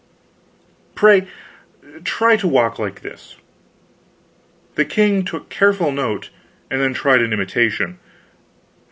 Pray try to walk like this." The king took careful note, and then tried an imitation.